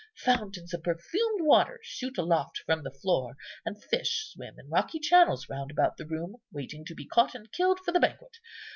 Fountains of perfumed water shoot aloft from the floor, and fish swim in rocky channels round about the room, waiting to be caught and killed for the banquet.